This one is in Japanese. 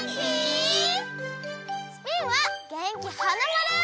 スピンは元気はなまる！